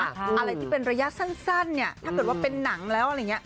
อะไรที่เป็นระยะสั้นเนี่ยถ้าเกิดว่าเป็นหนังแล้วอะไรอย่างนี้